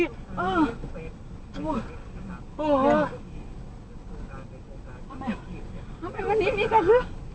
ทำไมมันนี้มีแสดงละ